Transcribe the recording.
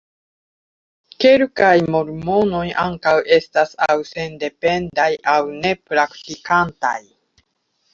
Kelkaj mormonoj ankaŭ estas aŭ sendependaj aŭ ne-praktikantaj.